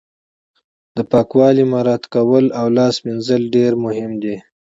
د پاکوالي مراعت کول او لاس مینځل ډیر مهم دي